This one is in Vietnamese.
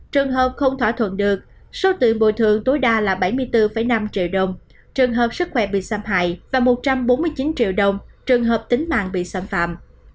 trường hợp không thỏa thuận được số tiền bồi thường tối đa là bảy mươi bốn năm triệu đồng trường hợp sức khỏe bị xâm hại và một trăm bốn mươi chín triệu đồng trường hợp tính mạng bị xâm phạm